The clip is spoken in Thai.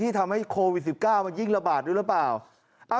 ทำให้โควิด๑๙มันยิ่งระบาดด้วยหรือเปล่า